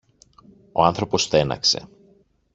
Ο άνθρωπος στέναξε.